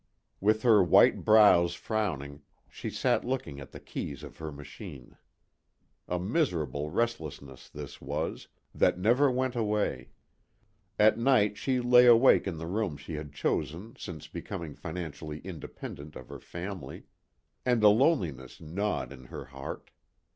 With her white brows frowning, she sat looking at the keys of her machine. A miserable restlessness, this was, that never went away. At night she lay awake in the room she had chosen since becoming financially independent of her family. And a loneliness gnawed in her heart.